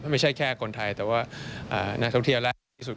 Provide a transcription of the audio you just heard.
ไม่ใช่แค่คนไทยแต่ว่านักท่องเที่ยวและที่สุด